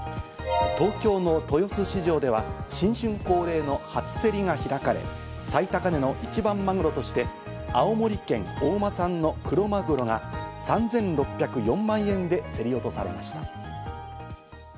東京の豊洲市場では新春恒例の初競りが開かれ、最高値の一番マグロとして青森県大間産のクロマグロが３６０４万円で競り落とされました。